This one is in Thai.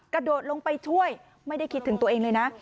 กระโดดลงไปช่วยไม่ได้คิดถึงตัวเองเลยนะ